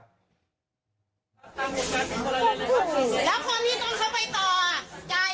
เข้าใจอย่างเดียวมันรับผิดชอบไม่ได้